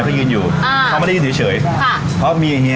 ขนมข้วยอร่อยมาก